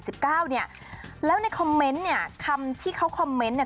สิบเก้าเนี่ยแล้วในคอมเมนต์เนี่ยคำที่เขาคอมเมนต์เนี่ย